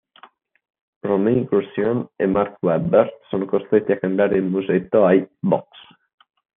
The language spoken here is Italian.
Romain Grosjean e Mark Webber sono costretti a cambiare il musetto ai "box".